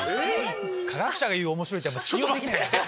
化学者が言う「面白い」って信用できない。